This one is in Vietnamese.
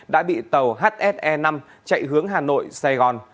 đã bị tàu hse năm chạy hướng hà nội sài gòn